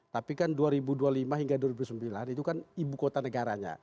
tapi kan dua ribu dua puluh lima hingga dua ribu sembilan itu kan ibu kota negaranya